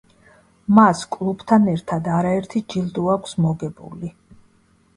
მას კლუბთან ერთად არაერთი ჯილდო აქვს მოგებული.